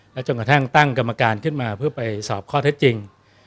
และตั้งกรรมการสอบข้อเท็จจริง